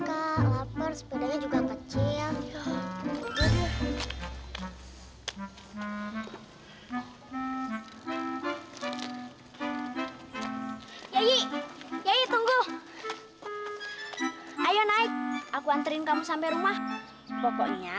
sampai jumpa di video yang akan datang